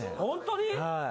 本当に？